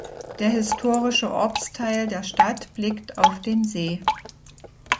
Der historische Ortsteil der Stadt blickt auf den See.